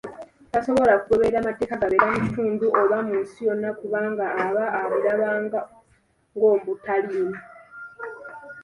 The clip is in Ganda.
Tasobola kugoberera mateeka gabeera mu kitundu oba mu nsi yonna kubanaga aba abiraba ng'obutaliimu.